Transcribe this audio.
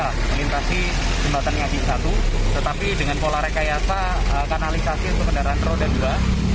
menginterasi jembatan yang di satu tetapi dengan pola rekayasa kanalisasi ke kendaraan roda dua